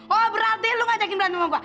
oh berarti lu ngajakin berantem sama gue